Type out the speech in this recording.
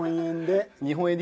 日本円で。